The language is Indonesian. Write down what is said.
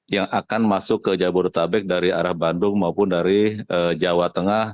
yang akan masuk ke jabodetabek dari arah bandung maupun dari jawa tengah